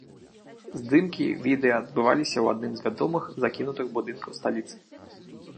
Здымкі відэа адбываліся ў адным з вядомых закінутых будынкаў сталіцы.